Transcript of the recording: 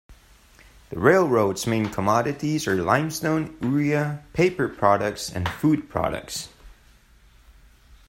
The railroad's main commodities are limestone, urea, paper products, and food products.